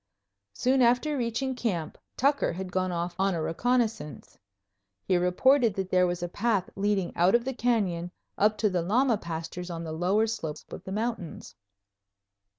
Soon after reaching camp Tucker had gone off on a reconnaissance. He reported that there was a path leading out of the canyon up to the llama pastures on the lower slopes of the mountains.